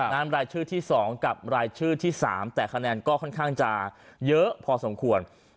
รายชื่อที่๒กับรายชื่อที่๓แต่คะแนนก็ค่อนข้างจะเยอะพอสมควร